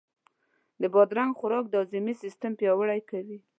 د بادرنګ خوراک د هاضمې سیستم پیاوړی کوي.